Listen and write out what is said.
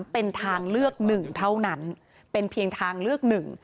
เป็นทางเลือกหนึ่งเท่านั้นเป็นเพียงทางเลือกหนึ่ง